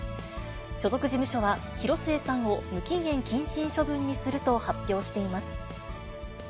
所属事務所は、広末さんを無期限謹慎処分にすると発表しています。